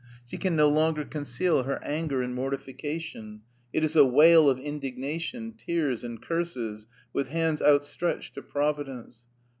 She can no longer conceal her anger and mortification; it is a wail of indignation, tears, and curses, with hands outstretched to Providence.